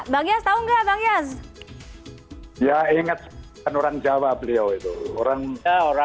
banget tau nggak banget ya inget kan orang jawa beliau itu orang orang mendapatnya dua ya lupa